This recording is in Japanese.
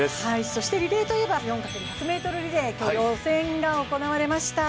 そしてリレーと言えば４×１００ｍリレーの予選が行われました。